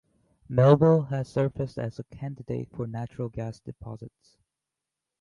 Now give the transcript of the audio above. Melville has surfaced as a candidate for natural gas deposits.